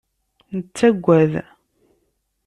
Nettagad.